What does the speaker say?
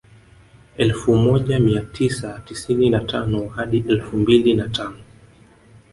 Elfu moja mia tisa tisini na tano hadi elfu mbili na tano